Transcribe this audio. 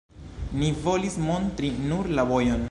Ni volis montri nur la vojon.